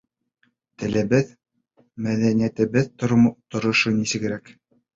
Телебеҙ, мәҙәниәтебеҙ торошо нисегерәк?